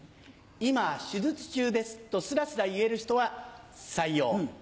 「今手術中です」とスラスラ言える人は採用。